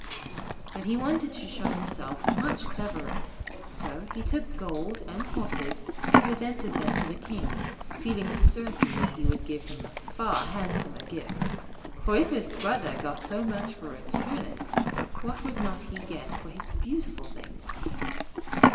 ] But he wanted to show himself much cleverer, so he took gold and horses and presented them to the King, feeling certain that he would give him a far handsomer gift; for if his Brother got so much for a Turnip, what would not he get for his beautiful things.